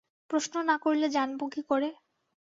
প্রশ্ন না করলে জানব কী করে?